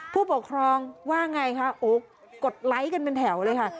ผู้ปกครองว่าไงคะโอ้กดไลค์กันเป็นแถวเลยค่ะ